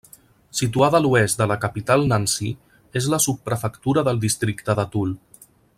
Situada a l'oest de la capital Nancy, és la subprefectura del districte de Toul.